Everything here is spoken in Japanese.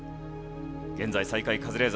現在最下位カズレーザーさん